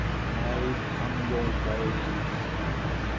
Nay, come your ways.